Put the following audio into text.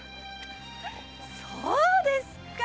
そうですか。